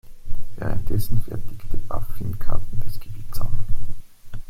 Währenddessen fertigte Baffin Karten des Gebiets an.